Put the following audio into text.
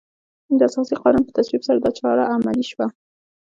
د اساسي قانون په تصویب سره دا چاره عملي شوه.